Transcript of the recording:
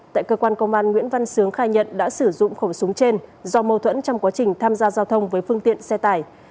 tại cơ quan công an nguyễn văn sướng khai nhận đã sử dụng khẩu súng trên do mâu thuẫn trong quá trình tham gia giao thông với phương tiện xe tải